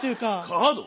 カード？